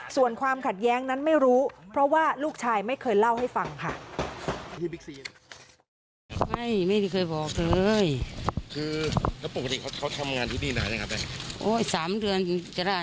ส่วนความขัดแย้งนั้นไม่รู้เพราะว่าลูกชายไม่เคยเล่าให้ฟังค่ะ